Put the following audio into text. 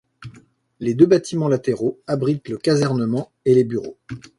Les deux bâtiments latéraux abritent le casernement et les bureaux.